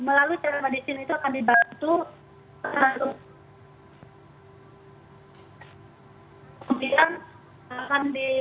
kemudian akan di